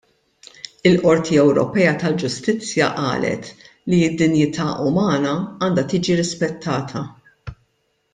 Il-Qorti Ewropea tal-Ġustizzja qalet li d-dinjità umana għandha tiġi rispettata.